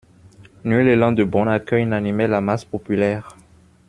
Nul élan de bon accueil n'animait la masse populaire.